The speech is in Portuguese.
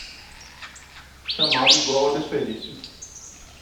Chamado igual a desperdício